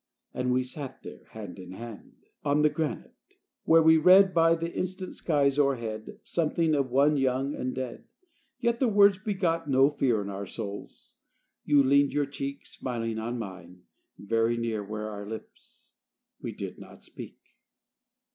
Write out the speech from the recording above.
And we sat there, hand in hand; On the granite; where we read, By the instant skies o'erhead, Something of one young and dead. Yet the words begot no fear In our souls: you leaned your cheek Smiling on mine: very near Were our lips: we did not speak.